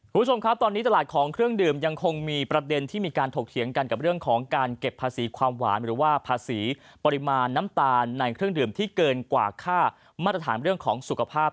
คุณผู้ชมครับตอนนี้ตลาดของเครื่องดื่มยังคงมีประเด็นที่มีการถกเถียงกันกับเรื่องของการเก็บภาษีความหวานหรือว่าภาษีปริมาณน้ำตาลในเครื่องดื่มที่เกินกว่าค่ามาตรฐานเรื่องของสุขภาพ